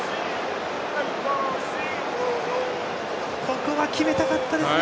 ここは決めたかったですね。